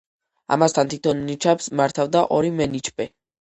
ამასთან, თითო ნიჩაბს მართავდა ორი მენიჩბე.